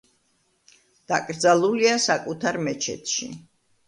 დაკრძალულია საკუთარ მეჩეთში.